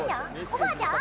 おばあちゃん！